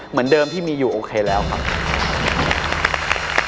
เหมือนเดิมที่มีอยู่โอเคแล้วครับ